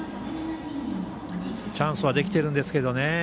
チャンスはできてるんですけどね。